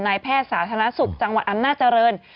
แพทย์สาธารณสุขจังหวัดอำนาจริง